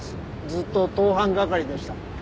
ずっと盗犯係でした。